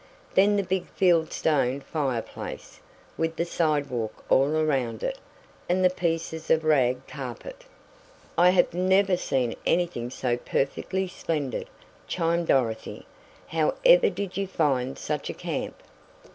Then the big field stone fire place, with the "side walk" all around it, and the pieces of rag carpet! "I have never seen anything so perfectly splendid!" chimed Dorothy, "how ever did you find such a camp?"